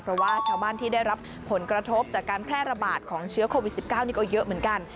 เพราะว่าชาวบ้านที่ได้รับผลกระทบจากการแพร่ระบาดของเชื้อโควิด๑๙นี่ก็เยอะเหมือนกัน